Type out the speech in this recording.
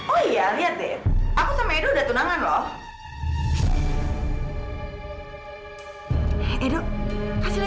oh iya lihat deh aku sama edo udah tunangan loh edu hasilnya